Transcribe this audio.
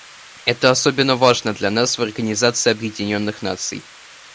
Это особенно важно для нас, в Организации Объединенных Наций.